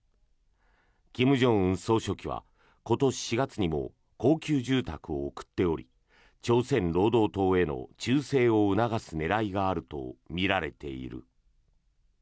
金正恩総書記は今年４月にも高級住宅を贈っており朝鮮労働党への忠誠を促す狙いがあるとみられている。